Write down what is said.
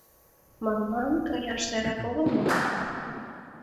Марлан каяш сайрак огыл мо?